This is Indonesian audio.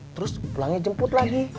terus pulangnya jemput lagi